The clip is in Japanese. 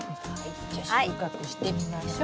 じゃあ収穫してみましょう。